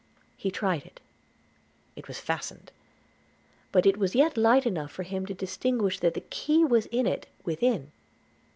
He tried it: it was fastened; but it was yet light enough for him to distinguish that the key was in it, within.